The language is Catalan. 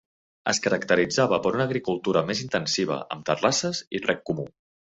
Es caracteritzava per una agricultura més intensiva, amb terrasses i reg comú.